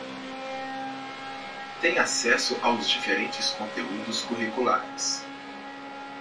têm acesso aos diferentes conteúdos curriculares